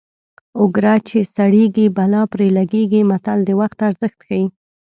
اوګره چې سړېږي بلا پرې لګېږي متل د وخت ارزښت ښيي